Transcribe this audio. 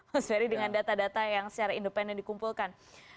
mas ferry dengan data data yang secara independen dikumpulkan